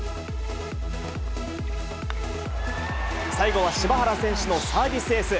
最後は柴原選手のサービスエース。